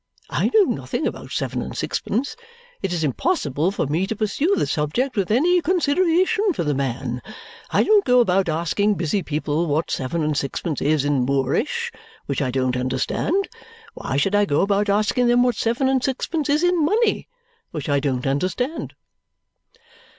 I know nothing about seven and sixpence. It is impossible for me to pursue the subject with any consideration for the man. I don't go about asking busy people what seven and sixpence is in Moorish which I don't understand. Why should I go about asking them what seven and sixpence is in Money which I don't understand?"